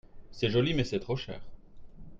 C'est joli mais c'est trop cher.